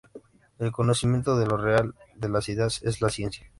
El conocimiento de lo real, de las ideas, es la ciencia.